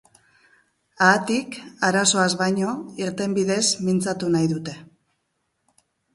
Haatik, arazoaz baino, irtenbideez mintzatu nahi dute.